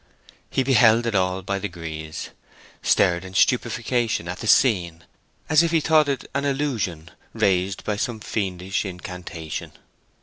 He beheld it all by degrees, stared in stupefaction at the scene, as if he thought it an illusion raised by some fiendish incantation.